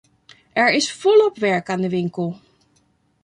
Er is volop werk aan de winkel.